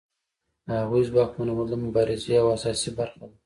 د هغوی ځواکمنول د مبارزې یوه اساسي برخه ده.